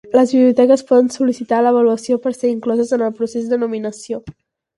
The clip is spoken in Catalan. Les biblioteques poden sol·licitar l'avaluació per ser incloses en el procés de nominació.